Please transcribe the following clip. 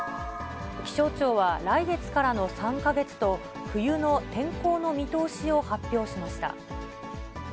気象庁は、来月からの３か月と、冬の天候の見通しを発表しました。